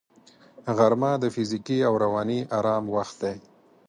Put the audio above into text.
غرمه د فزیکي او رواني آرام وخت دی